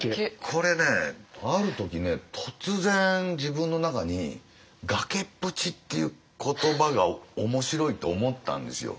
これねある時突然自分の中に「崖っぷち」っていう言葉が面白いと思ったんですよ。